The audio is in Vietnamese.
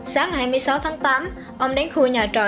sáng hai mươi sáu tháng tám ông đến khu nhà trọ